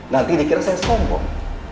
nanti dikira saya sombong